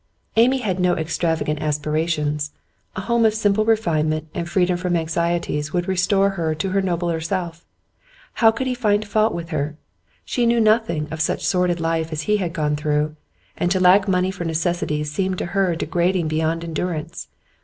Amy had no extravagant aspirations; a home of simple refinement and freedom from anxiety would restore her to her nobler self. How could he find fault with her? She knew nothing of such sordid life as he had gone through, and to lack money for necessities seemed to her degrading beyond endurance.